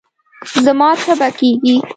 زما تبه کېږي